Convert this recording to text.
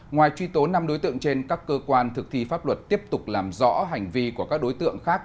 ngoài truy tố năm đối tượng trên các cơ quan thực thi pháp luật tiếp tục làm rõ hành vi của các đối tượng khác